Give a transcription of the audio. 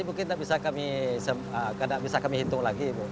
kalau generasi mungkin gak bisa kami hitung lagi